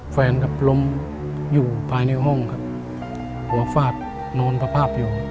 ครับล้มอยู่ภายในห้องครับหัวฟาดนอนสภาพอยู่